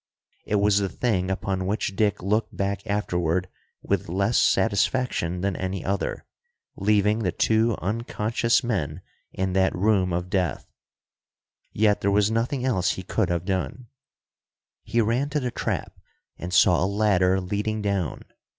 It was the thing upon which Dick looked back afterward with less satisfaction than any other, leaving the two unconscious men in that room of death. Yet there was nothing else he could have done. He ran to the trap, and saw a ladder leading down.